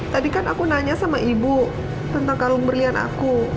tadi kan aku nanya sama ibu tentang kalung berlian aku